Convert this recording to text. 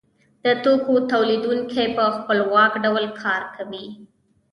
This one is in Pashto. د توکو تولیدونکی په خپلواک ډول کار کوي